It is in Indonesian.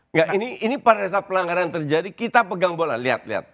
enggak ini pada saat pelanggaran terjadi kita pegang bola lihat lihat